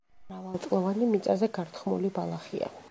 მრავალწლოვანი მიწაზე გართხმული ბალახია.